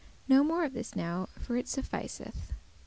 No more of this as now, for it sufficeth.